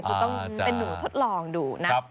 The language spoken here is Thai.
คือต้องเป็นหนูทดลองดูนะ